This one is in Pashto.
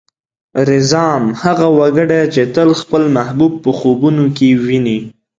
رځام: هغه وګړی چې تل خپل محبوب په خوبونو کې ويني.